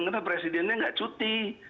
karena presidennya nggak cuti